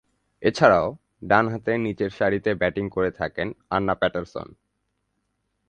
এছাড়াও, ডানহাতে নিচেরসারিতে ব্যাটিং করে থাকেন আন্না প্যাটারসন।